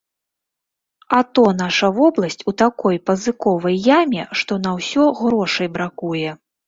А то наша вобласць у такой пазыковай яме, што на ўсё грошай бракуе.